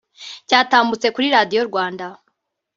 cyatambutse kuri Radio Rwanda